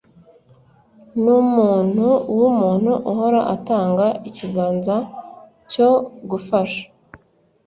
numuntu wumuntu uhora atanga ikiganza cyo gufasha